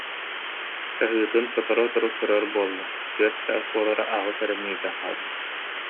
Чаһыытын сотору-сотору көрөр буолла, түөрт чаас буолара аҕыс эрэ мүнүүтэ хаалбыт